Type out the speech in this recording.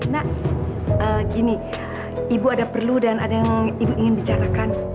nak gini ibu ada perlu dan ada yang ibu ingin bicarakan